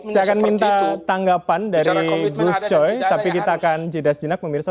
saya akan minta tanggapan dari gus choi tapi kita akan jelas jenak memirsa